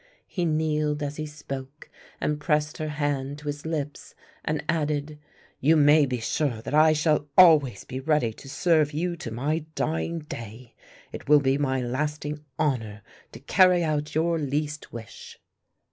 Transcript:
He kneeled as he spoke and pressed her hand to his lips and added, "You may be sure that I shall always be ready to serve you to my dying day. It will be my lasting honour to carry out your least wish."